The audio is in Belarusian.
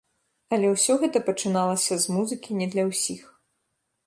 Але ўсё гэта пачыналася з музыкі не для ўсіх.